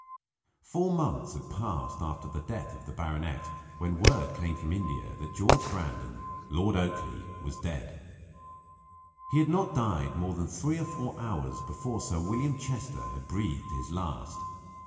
Four months had passed after the death of the baronet, when word came from India that George Brandon, Lord Oakleigh, was dead. He had died not more than three or four hours before Sir William Chester had breathed his last.